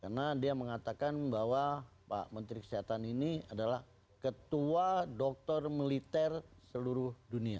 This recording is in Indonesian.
karena dia mengatakan bahwa pak menteri kesehatan ini adalah ketua dokter militer seluruh dunia